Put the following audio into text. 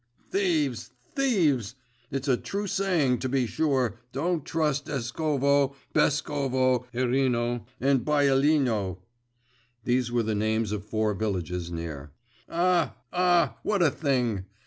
Thieves! thieves! It's a true saying, to be sure, don't trust Eskovo, Beskovo, Erino, and Byelino! (these were the names of four villages near). Ah, ah, what a thing!